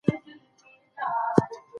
ایا بهرني سوداګر چارمغز اخلي؟